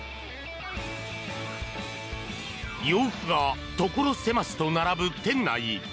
洋服がところ狭しと並ぶ店内。